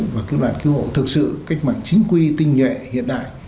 và cứu nạn cứu hộ thực sự cách mạng chính quy tình nguyện hiện đại